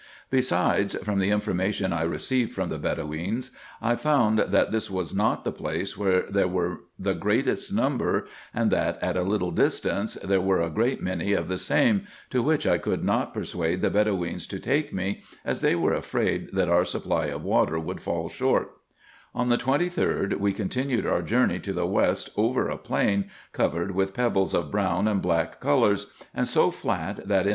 Be sides, from the information I received from the Bedoweens, I found that this was not the place where there were the greatest number, and that, at a little distance, there were a great many of the same, to which I could not persuade the Bedoweens to take me, as they were afraid that our supply of water would fall short, On the 23d, we continued our journey to the west, over a plain, covered with pebbles of brown and black colours, and so flat that, in IN EGYPT, NUBIA, &c.